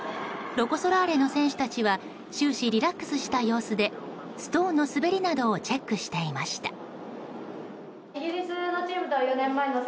ロコ・ソラーレの選手たちは終始リラックスした様子でストーンの滑りなどをチェックしていました。